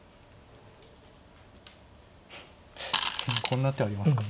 こんな手ありますか。